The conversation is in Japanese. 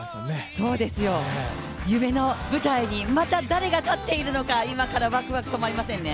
夢の舞台にまた誰が立っているのか今からワクワク止まりませんね。